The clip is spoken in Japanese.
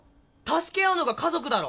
助け合うのが家族だろ！